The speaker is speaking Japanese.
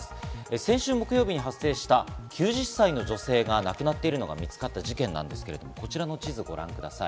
先週木曜日に発生した、９０歳の女性が亡くなっているのが見つかった事件なんですけど、うちらの地図をご覧ください。